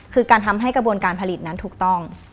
คือการทำให้กระบวนการผลิตนั้นถูกต้อง